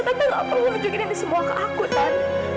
tante gak perlu mencukupi ini semua ke aku tante